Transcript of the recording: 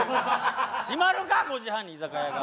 閉まるか５時半に居酒屋が！